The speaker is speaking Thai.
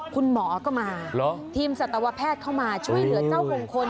คุณหมอก็มาทีมสัตวแพทย์เข้ามาช่วยเหลือเจ้ามงคล